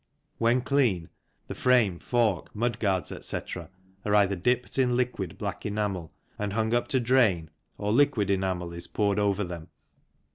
When clean, the frame, fork, mudguards, etc., are either dipped in liquid black enamel and hung up to drain or liquid enamel is poured over them.